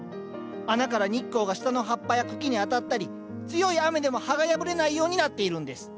穴から日光が下の葉っぱや茎に当たったり強い雨でも葉が破れないようになっているんです。